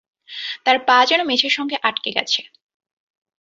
তাঁর পা যেন মেঝের সঙ্গে আটকে গেছে।